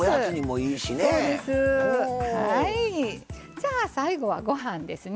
さあ最後はご飯ですね。